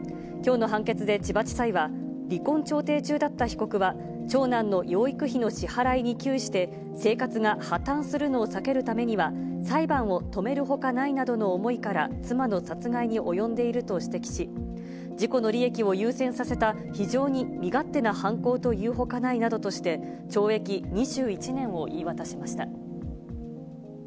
きょうの判決で千葉地裁は、離婚調停中だった被告は、長男の養育費の支払いに窮して、生活が破綻するのを避けるためには、裁判を止めるほかないなどの思いから妻の殺害に及んでいると指摘し、自己の利益を優先させた、非常に身勝手な犯行というほかないなどとして、懲役２１年を言い渡しました。